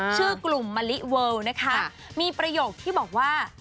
ชื่อกลุ่มมะลิเวิลนะคะมีประโยคที่บอกว่า